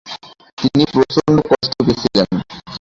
তিনি প্রচন্ড কষ্ট পেয়েছিলেন।